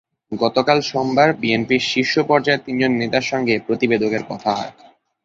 গতকাল সোমবার বিএনপির শীর্ষ পর্যায়ের তিনজন নেতার সঙ্গে এ প্রতিবেদকের কথা হয়।